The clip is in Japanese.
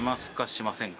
しませんか？